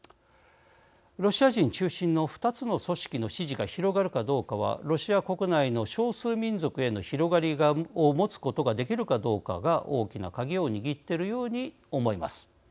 ロシア人中心の２つの組織の支持が広がるかどうかはロシア国内の少数民族への広がりを持つことができるかどうかが大きな鍵を握っているように思います。